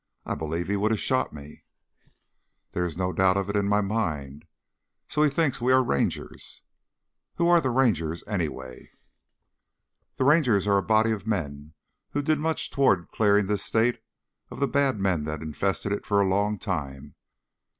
I believe he would have shot me." "There is no doubt of it in my mind. So he thinks we are Rangers?" "Who are the Rangers, anyway?" "The Rangers are a body of men who did much toward clearing this state of the bad men that infested it for a long time."